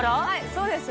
そうです。